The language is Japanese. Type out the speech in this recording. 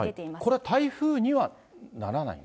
これは台風にはならない？